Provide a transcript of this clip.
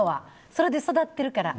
それで育ってるから。